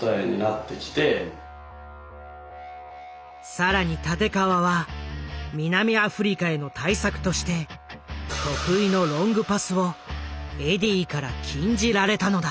更に立川は南アフリカへの対策として得意のロングパスをエディーから禁じられたのだ。